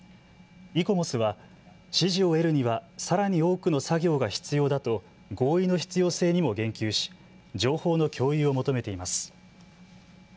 イコモスは支持を得るにはさらに多くの作業が必要だと合意の必要性にも言及し情報の共有を求めています。